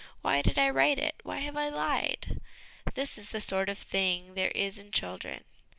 Why did I write it? Why have I lied?" This is the sort of thing there is in children.